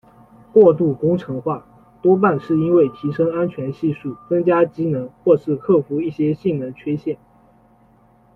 过度工程化多半是因为提升安全系数、增加机能、或是克服一些性能缺陷。